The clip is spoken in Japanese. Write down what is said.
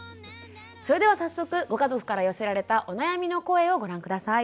それでは早速ご家族から寄せられたお悩みの声をご覧下さい。